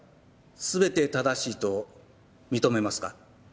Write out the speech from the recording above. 全て正しいと認めますか？